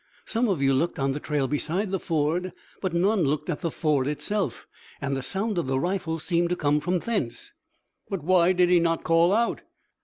Some of you looked on the trail beside the ford, but none looked at the ford itself. And the sound of the rifle seemed to come from thence." "But why did he not call out?"